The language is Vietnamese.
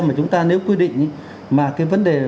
mà chúng ta nếu quy định mà cái vấn đề